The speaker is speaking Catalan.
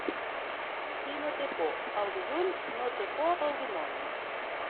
Qui no té por al dilluns, no té por al dimoni.